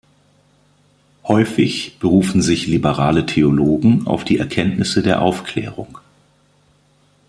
Häufig berufen sich liberale Theologen auf die Erkenntnisse der Aufklärung.